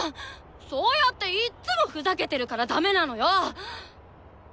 そうやっていっつもふざけてるからダメなのよ！